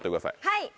はい。